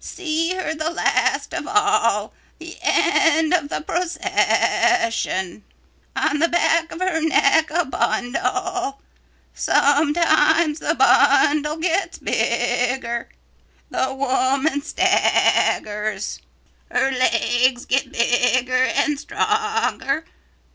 See her the last of all, the end of the procession. On the back of her neck a bundle. Sometimes the bundle gets bigger. The woman staggers. Her legs get bigger and stronger.